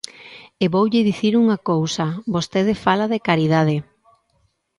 E voulle dicir unha cousa: vostede fala de caridade.